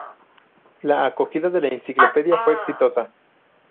La acogida de la enciclopedia fue exitosa.